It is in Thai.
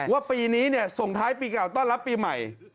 ว่าปีนี้เนี่ยส่งท้ายปีก่อนต้อนรับปีใหม่